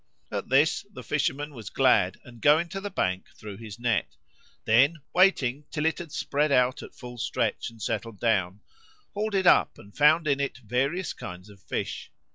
At this the fisherman was glad and going to the bank threw his net, then waiting till it had spread out at full stretch and settled down, hauled it up and found in it various kinds of fish.